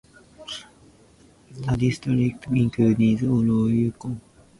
The district includes all of Yukon.